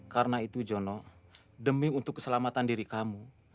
karena itu jono demi untuk keselamatan diri kamu